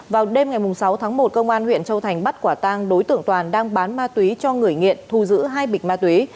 vào đêm ngày sáu tháng một công an huyện châu thành bắt quả tang đối tượng toàn đang bán ma túy cho người nghiện thu giữ hai bịch ma túy